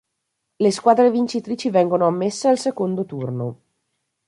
Le squadre vincitrici vengono ammesse al secondo turno.